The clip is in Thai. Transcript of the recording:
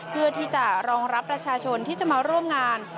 เพื่อที่จะรองรับประชาชนที่จะมาร่วมงาน